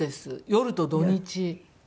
夜と土日。